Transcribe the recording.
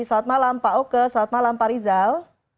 selamat malam pak oke selamat malam pak rizal